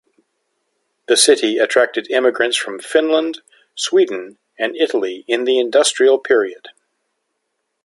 The city attracted immigrants from Finland, Sweden and Italy in the industrial period.